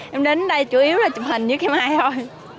em đến đây chủ yếu là chụp hình với cây mai thôi